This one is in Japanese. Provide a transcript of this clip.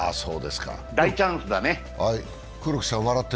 大チャンスだね。